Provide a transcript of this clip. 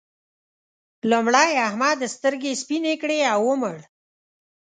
لومړی احمد سترګې سپينې کړې او ومړ.